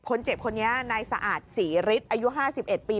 คนเจ็บคนนี้นายสะอาดศรีฤทธิ์อายุ๕๑ปี